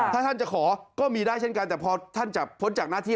ถ้าท่านจะขอก็มีได้เช่นกันแต่พอท่านจะพ้นจากหน้าที่